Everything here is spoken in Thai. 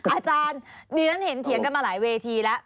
อาจารย์ดิฉันเห็นเถียงกันมาหลายเวทีแล้ว